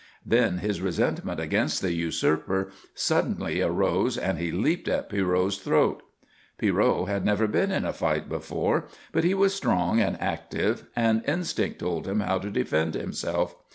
Then his resentment against the usurper suddenly arose and he leaped at Pierrot's throat. Pierrot had never been in a fight before, but he was strong and active, and instinct told him how to defend himself.